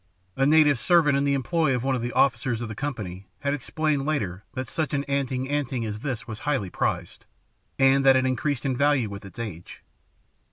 A native servant in the employ of one of the officers of the company had explained later that such an "anting anting" as this was highly prized, and that it increased in value with its age.